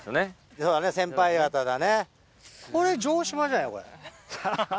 そうだね先輩方だね。